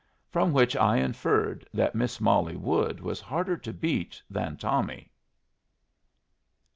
From which I inferred that Miss Molly Wood was harder to beat than Tommy.